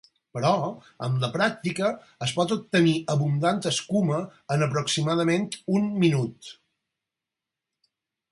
Però, amb la pràctica es pot obtenir abundant escuma en aproximadament un minut.